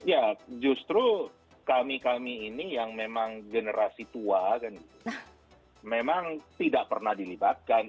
ya justru kami kami ini yang memang generasi tua kan memang tidak pernah dilibatkan